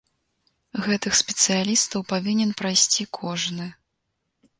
Гэтых спецыялістаў павінен прайсці кожны.